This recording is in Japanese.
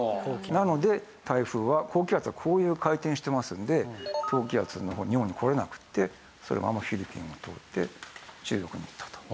なので台風は高気圧はこういう回転をしていますので高気圧の方日本に来られなくてそれがフィリピンを通って中国に行ったと。